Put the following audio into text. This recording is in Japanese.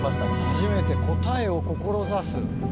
初めて「答え」を「志す」。